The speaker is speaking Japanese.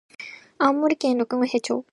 青森県六戸町